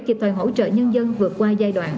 kịp thời hỗ trợ nhân dân vượt qua giai đoạn